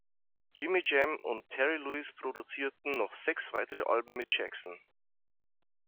Jimmy Jam und Terry Lewis produzierten noch sechs weitere Alben mit Jackson.